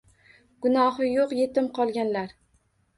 Gunoxi yuq etim qolganlar